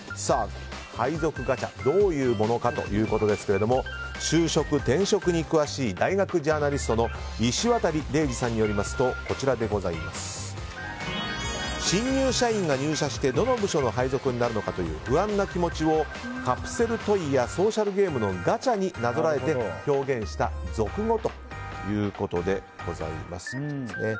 配属ガチャ、どういうものかということですけど就職、転職に詳しい大学ジャーナリストの石渡嶺司さんによりますと新入社員が入社してどの部署の配属になるのかという不安な気持ちをカプセルトイやソーシャルゲームのガチャになぞらえて表現した俗語ということでございます。